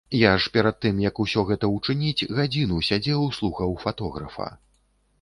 Я ж перад тым як усё гэта учыніць, гадзіну сядзеў слухаў фатографа.